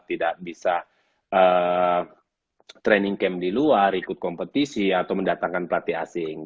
tidak bisa training camp di luar ikut kompetisi atau mendatangkan pelatih asing